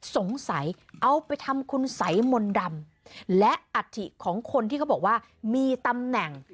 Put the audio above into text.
เอาไปทำคุณสัยมนต์ดำและอัฐิของคนที่เขาบอกว่ามีตำแหน่ง